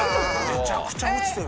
めちゃくちゃ落ちてるな。